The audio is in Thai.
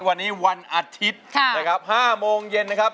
วันนี้วันอาทิตย์นะครับ๕โมงเย็นนะครับ